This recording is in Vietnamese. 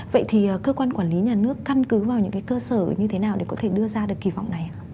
vậy thì cơ quan quản lý nhà nước căn cứ vào những cái cơ sở như thế nào để có thể đưa ra được kỳ vọng này ạ